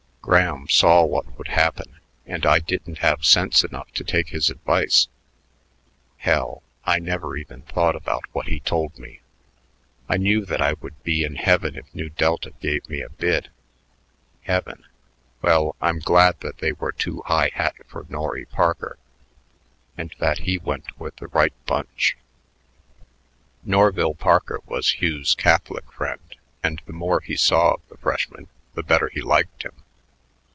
Graham saw what would happen, and I didn't have sense enough to take his advice. Hell, I never even thought about what he told me. I knew that I would be in heaven if Nu Delta gave me a bid. Heaven! Well, I'm glad that they were too high hat for Norry Parker and that he went with the right bunch." Norville Parker was Hugh's Catholic friend, and the more he saw of the freshman the better he liked him.